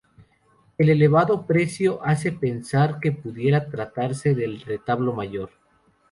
El elevado precio hace pensar que pudiera tratarse del retablo mayor.